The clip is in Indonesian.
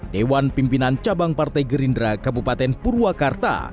dewan pimpinan cabang partai gerindra kabupaten purwakarta